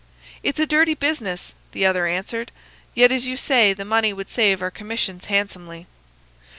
"'It's a dirty business,' the other answered. 'Yet, as you say, the money would save our commissions handsomely.